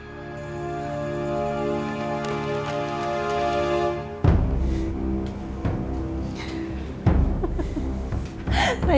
aku kesana sekarang